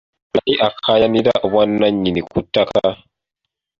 Ani akaayanira obwannannyini ku ttaka?